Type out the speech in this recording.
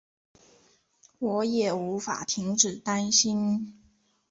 我也无法停止担心